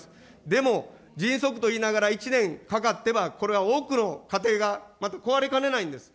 でも、迅速と言いながら１年かかっては、これは多くの家庭がまた壊れかねないんです。